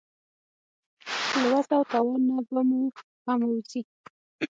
له وس او توان نه به مو هم ووځي.